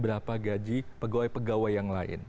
berapa gaji pegawai pegawai yang lain